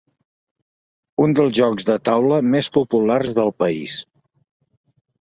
Un dels jocs de taula més populars del país.